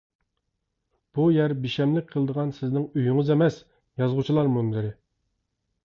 بۇ يەر بىشەملىك قىلىدىغان سىزنىڭ ئۆيىڭىز ئەمەس، يازغۇچىلار مۇنبىرى.